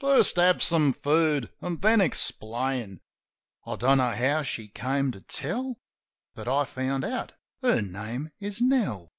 "First have some food, an' then explain." (I don't know how she came to tell. But I found out her name is Nell.)